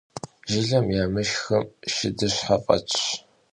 Jjılem yamışhım şşıdışhe f'etş.